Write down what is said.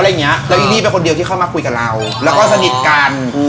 แล้วลิลิงคือคนเดียวที่มาคุยกันสกัน